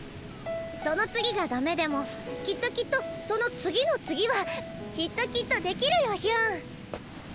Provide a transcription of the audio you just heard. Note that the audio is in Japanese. その次がダメでもきっときっとその次の次はきっときっとできるよヒュン！